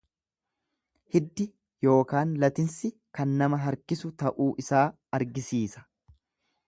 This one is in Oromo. Hiddi ykn latinsi kan nama harkisu ta'uu isaa argisiisa.